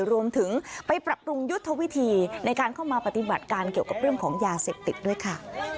รวมถึงไปปรับปรุงยุทธวิธีในการเข้ามาปฏิบัติการเกี่ยวกับเรื่องของยาเสพติดด้วยค่ะ